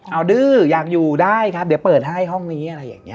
เอาดื้ออยากอยู่ได้ครับเดี๋ยวเปิดให้ห้องนี้อะไรอย่างนี้